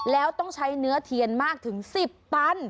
แล้วต้องใช้เนื้อเทียนมากถึง๑๐ตัน